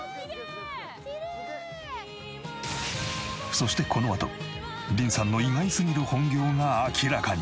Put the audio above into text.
そしてこのあとリンさんの意外すぎる本業が明らかに。